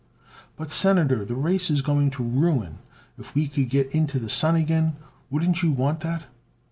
"But Senator, the race is going to ruin. If we could get into the Sun again wouldn't you want that?"